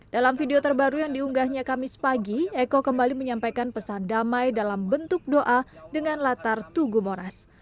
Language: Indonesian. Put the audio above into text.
dalam video terbaru yang diunggahnya kamis pagi eko kembali menyampaikan pesan damai dalam bentuk doa dengan latar tugu moras